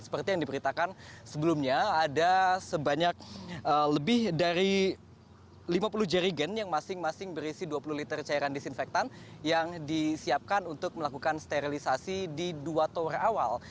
seperti yang diberitakan sebelumnya ada sebanyak lebih dari lima puluh jerigen yang masing masing berisi dua puluh liter cairan disinfektan yang disiapkan untuk melakukan sterilisasi di dua tower awal